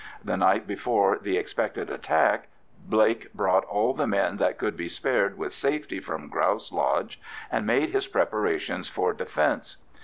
The night before the expected attack Blake brought all the men that could be spared with safety from Grouse Lodge, and made his preparations for defence.